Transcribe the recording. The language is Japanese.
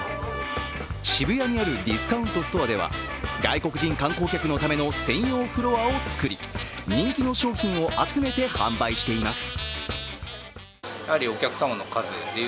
渋谷にあるディスカウントストアでは外国人観光客のための専用フロアを作り、人気の商品を集めて販売しています。